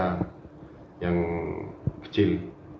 karena yang kecil